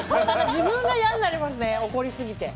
自分が嫌になりますね怒りすぎて。